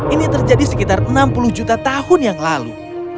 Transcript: ini terjadi sekitar enam puluh juta tahun yang lalu